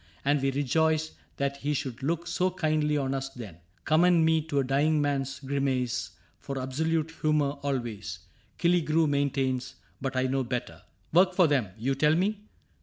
And we rejoiced That he should look so kindly on us then. (" Commend me to a dying man's grimace For absolute humor, always," Killigrew Maintains ; but I know better.) " Work for them. You tell me